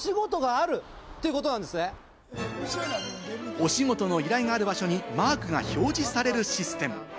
お仕事の依頼がある場所にマークが表示されるシステム。